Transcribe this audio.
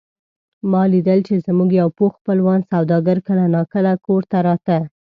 ما لیدل چې زموږ یو پوخ خپلوان سوداګر کله نا کله کور ته راته.